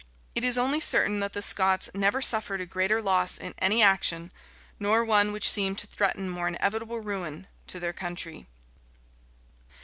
[*] It is only certain, that the Scots never suffered a greater loss in any action, nor one which seemed to threaten more inevitable ruin to their country.